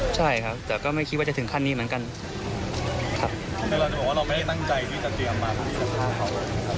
เราไม่ได้ตั้งใจที่จะเตรียมมาพวกนี้